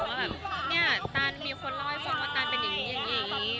ว่าแบบเนี่ยตันมีคนเล่าให้ฟังว่าตันเป็นอย่างนี้อย่างนี้